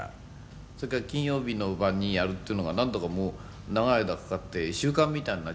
「それから金曜日の晩にやるっていうのがなんだかもう長い間かかって習慣みたいになっちゃってね」